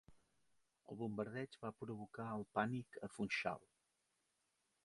El bombardeig va provocar el pànic a Funchal.